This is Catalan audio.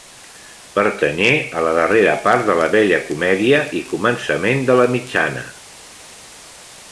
Pertanyé a la darrera part de la vella comèdia i començament de la mitjana.